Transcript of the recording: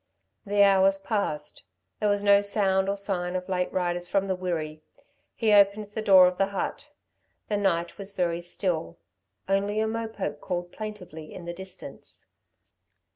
The hours passed. There was no sound or sign of late riders from the Wirree. He opened the door of the hut. The night was very still. Only a mopoke called plaintively in the distance.